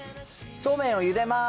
そうめんをゆでます。